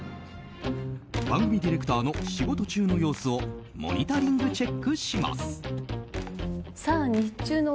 番組ディレクターの仕事中の様子をモニタリングチェックします。